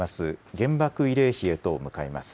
原爆慰霊碑へと向かいます。